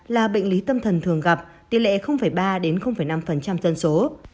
là bệnh lý tâm thần thường gặp tỷ lệ ba đến năm dân số